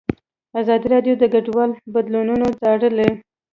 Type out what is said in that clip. ازادي راډیو د کډوال بدلونونه څارلي.